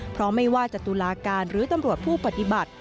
เพราะไม่ว่าจะตุลาการหรือตำรวจผู้ปฏิบัติ